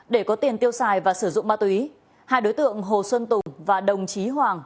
để có tiền tiêu xài và sử dụng ma túy hai đối tượng hồ xuân tùng và đồng chí hoàng